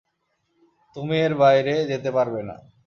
তুমি এর বাইরে যেতে পারবে না।